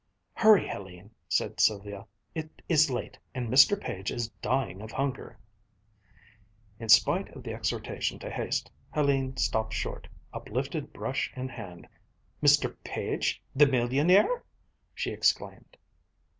"Hurry, Hélène," said Sylvia. "It is late, and Mr. Page is dying of hunger," In spite of the exhortation to haste, Hélène stopped short, uplifted brush in hand. "Mr. Page, the millionaire!" she exclaimed.